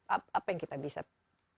apa yang kita bisa perbaiki sih